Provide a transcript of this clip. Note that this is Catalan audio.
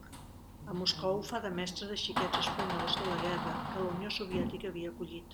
A Moscou fa de mestra de xiquets espanyols de la guerra, que la Unió Soviètica havia acollit.